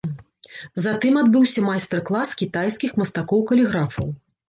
Затым адбыўся майстар-клас кітайскіх мастакоў-каліграфаў.